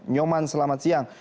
nyoman selamat siang